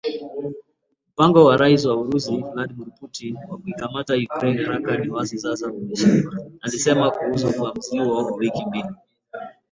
"Mpango wa Rais wa Urusi, Vladmir Putin wa kuikamata Ukraine haraka ni wazi sasa umeshindwa," alisema kuhusu uvamizi huo wa wiki mbili.